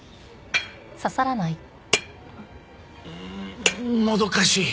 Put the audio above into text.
うーんもどかしい。